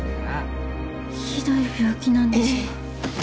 ひどい病気なんでしょ？